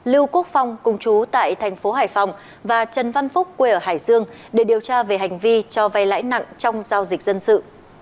lưu quốc phong cùng chú tại thành phố hải phòng và trần văn phúc quê ở hải dương để điều tra về hành vi cho vay lãi nặng trong giao dịch dân sự